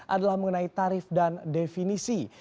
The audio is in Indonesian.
adalah mengenai tarif dan definisi